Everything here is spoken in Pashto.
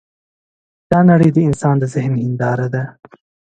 دا نړۍ د انسان د ذهن هینداره ده.